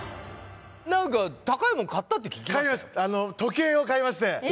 何か高いもん買ったって聞きましたよ